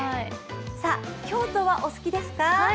京都はお好きですか。